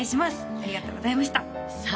ありがとうございましたさあ